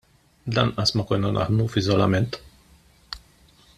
Lanqas ma konna naħdmu f'iżolament.